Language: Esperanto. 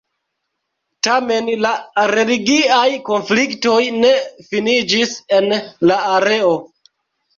Tamen la religiaj konfliktoj ne finiĝis en la areo.